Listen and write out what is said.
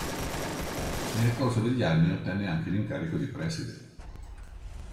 Nel corso degli anni ottenne anche l'incarico di preside.